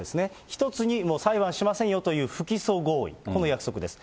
一つに裁判しませんよという不起訴合意、この約束です。